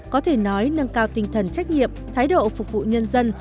có thể nói nâng cao tinh thần trách nhiệm thái độ phục vụ nhân dân